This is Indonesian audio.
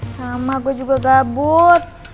sama gue juga gabut